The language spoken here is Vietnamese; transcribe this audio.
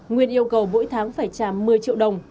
nguyên yêu cầu mỗi tháng phải trả một mươi triệu đồng